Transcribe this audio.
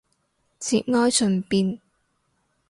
節哀順變